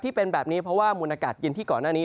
ที่เป็นแบบนี้เพราะว่ามูลอากาศเย็นที่ก่อนหน้านี้